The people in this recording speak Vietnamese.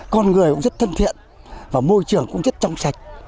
con người cũng rất thân thiện và môi trường cũng rất trong sạch